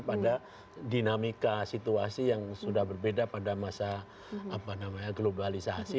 pada dinamika situasi yang sudah berbeda pada masa globalisasi